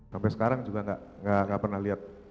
sampai sekarang juga nggak pernah lihat